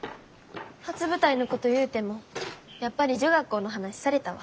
初舞台のこと言うてもやっぱり女学校の話されたわ。